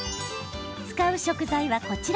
使う食材は、こちら。